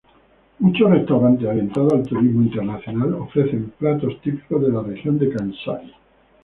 Muchos restaurantes orientados al turismo internacional ofrecen platos típicos de la región de Kansai.